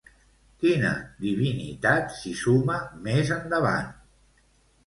Quina divinitat s'hi suma més endavant?